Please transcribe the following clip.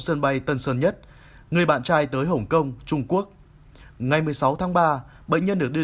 sân bay tân sơn nhất người bạn trai tới hồng kông trung quốc ngày một mươi sáu tháng ba bệnh nhân được đưa